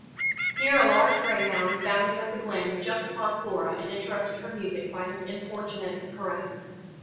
Here a large greyhound, bounding up the glen, jumped upon Flora and interrupted her music by his importunate caresses.